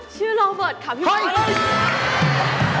ชื่อล้อเบิร์ตค่ะฮิฟุดีจริงชื่อไหม